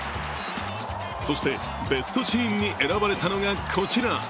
そしてベストシーンに選ばれたのが、こちら。